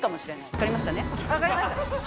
分かりましたね？